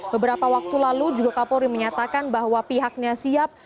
beberapa waktu lalu juga kapolri menyatakan bahwa pihaknya siap